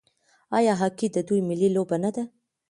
آیا هاکي د دوی ملي لوبه نه ده؟